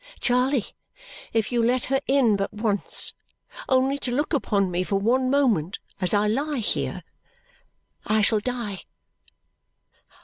Charley, if you let her in but once, only to look upon me for one moment as I lie here, I shall die."